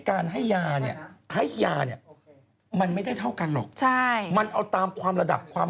การให้ยามันต้องดูน้ำหนักตัว